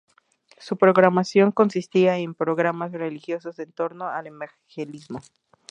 Su programación consistía en programas religiosos entorno al evangelismo.